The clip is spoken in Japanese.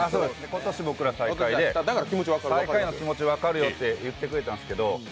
今年僕ら最下位で、最下位の気持ち分かるよって言ってくれたんですけど